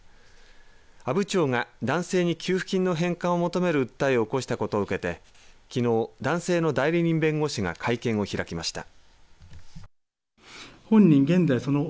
阿武町が男性に給付金の返還を求める訴えを起こしたことを受けてきのう、男性の代理人弁護士が会見を開きました。